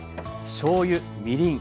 しょうゆみりん